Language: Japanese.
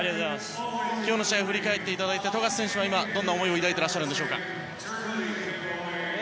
今日の試合を振り返って富樫選手は今、どんな思いを抱いていらっしゃるんでしょう。